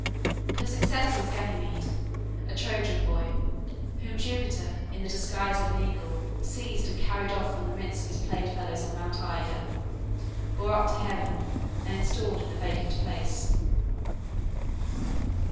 Her successor was Ganymede, a Trojan boy, whom Jupiter, in the disguise of an eagle, seized and carried off from the midst of his playfellows on Mount Ida, bore up to heaven, and installed in the vacant place.